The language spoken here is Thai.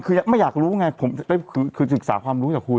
เคยแล้วไม่อยากรู้ไงผมจะได้ศึกษาความรู้จากคุณ